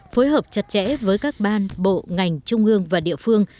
phối hợp chặt chẽ với các ban bộ ngành trung ương và địa phương